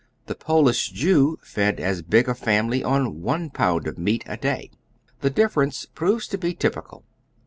The Polish Jew fed as big a family oil one pound o£ meat a day. The difference proves to be typical.